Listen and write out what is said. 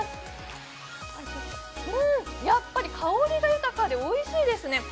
やっぱり香りが豊かでおいしいですね。